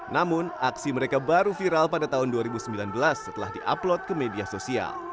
namun aksi mereka baru viral pada tahun dua ribu sembilan belas setelah di upload ke media sosial